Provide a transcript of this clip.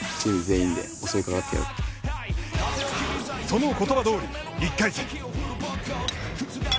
その言葉どおり、１回戦。